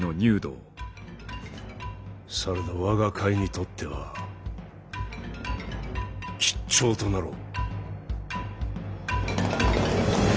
されど我が甲斐にとっては吉兆となろう。